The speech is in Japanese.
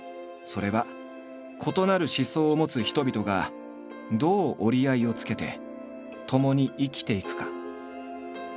それは異なる思想を持つ人々がどう折り合いをつけてともに生きていくか。